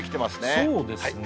そうですね。